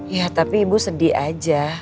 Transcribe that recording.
ya tapi ibu sedih aja